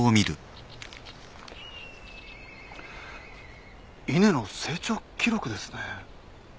稲の成長記録ですね。